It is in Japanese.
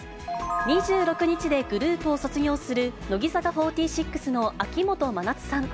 ２６日でグループを卒業する、乃木坂４６の秋元真夏さん。